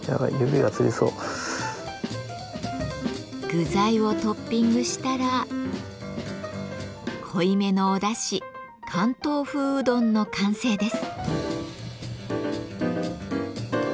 具材をトッピングしたら濃いめのおだし関東風うどんの完成です。